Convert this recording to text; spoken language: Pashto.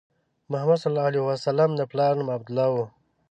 محمد صلی الله علیه وسلم د پلار نوم عبدالله و.